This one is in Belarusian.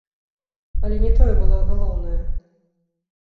Але не тое было галоўнае.